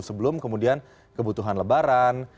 sebelum kemudian kebutuhan lebaran